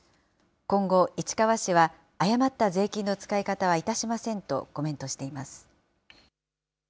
今後、市川市は誤った税金の使い方はいたしませんとコメントしています。